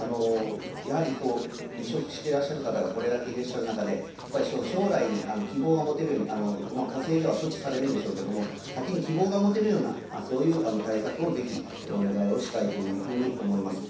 やはり、離職してらっしゃる方がこれだけいらっしゃる中で、将来に希望が持てるように、補正では措置されるんでしょうけれども、先に希望が持てるような、そういう対策をぜひ、お願いをしたいというふうに思います。